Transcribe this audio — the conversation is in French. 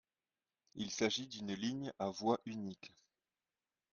Il s'agit d'une ligne à voie unique.